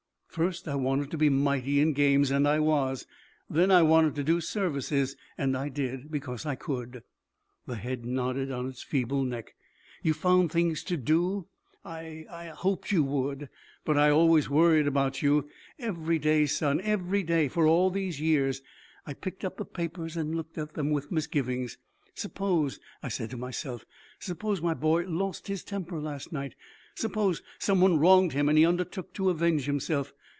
First I wanted to be mighty in games and I was. Then I wanted to do services. And I did, because I could." The head nodded on its feeble neck. "You found things to do? I I hoped you would. But I always worried about you. Every day, son, every day for all these years, I picked up the papers and looked at them with misgivings. 'Suppose,' I said to myself, 'suppose my boy lost his temper last night. Suppose someone wronged him and he undertook to avenge himself.'